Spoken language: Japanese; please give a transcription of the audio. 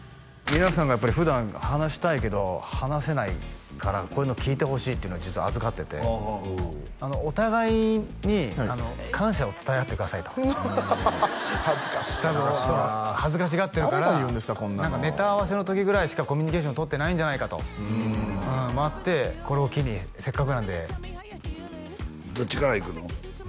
皆さんがやっぱり普段話したいけど話せないからこういうの聞いてほしいっていうの実は預かっててお互いに感謝を伝え合ってくださいとハハハ恥ずかしいな恥ずかしがってるからネタ合わせの時ぐらいしかコミュニケーションとってないんじゃないかともあってこれを機にせっかくなんでどっちからいくの？